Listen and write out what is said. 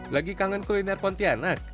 lagi kangen kuliner pontianak